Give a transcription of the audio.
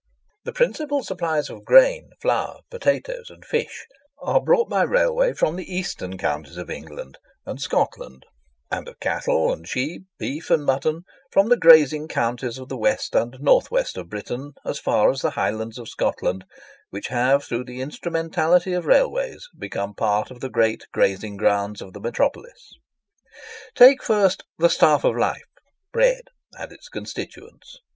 The principal supplies of grain, flour, potatoes, and fish, are brought by railway from the eastern counties of England and Scotland; and of cattle and sheep, beef and mutton, from the grazing counties of the west and north west of Britain, as far as the Highlands of Scotland, which have, through the instrumentality of railways, become part of the great grazing grounds of the metropolis. Take first "the staff of life"—bread and its constituents.